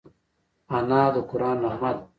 انا د قرآن نغمه ده